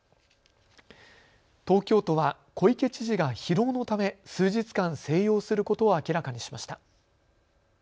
東京都は小池知事が疲労のため数日間、静養することを明らかにしました。